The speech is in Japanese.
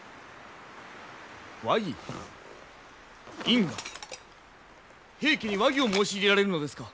院は平家に和議を申し入れられるのですか？